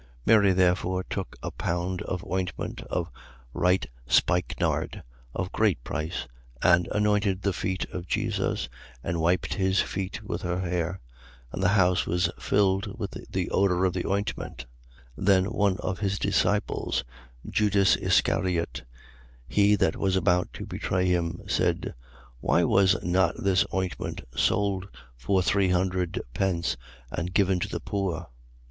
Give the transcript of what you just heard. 12:3. Mary therefore took a pound of ointment of right spikenard, of great price, and anointed the feet of Jesus and wiped his feet with her hair. And the house was filled with the odour of the ointment. 12:4. Then one of his disciples, Judas Iscariot, he that was about to betray him, said: 12:5. Why was not this ointment sold for three hundred pence and given to the poor?